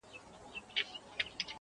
o دښمن مړ که، مړانه ئې مه ورکوه٫